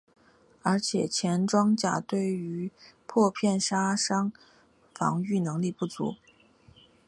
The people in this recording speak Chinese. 而且前装甲对于破片杀伤防御能力不足。